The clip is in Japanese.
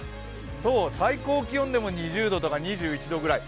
最高気温でも２０度とか２１度ぐらい。